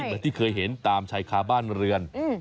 เหมือนที่เคยเห็นตามชายคาบ้านเรือน